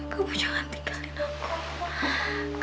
kamu jangan tinggalin aku